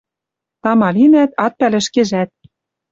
Тама линӓт — ат пӓлӹ ӹшкежӓт.